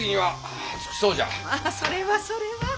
まあそれはそれは。